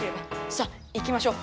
さっ行きましょう！